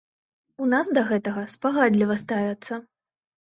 У нас да гэтага спагадліва ставяцца.